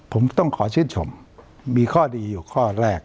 ผมต้องขอชื่นชมมีข้อดีอยู่ข้อแรก